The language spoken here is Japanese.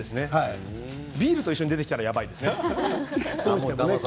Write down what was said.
ビールと一緒に出てきたら、やばいですね。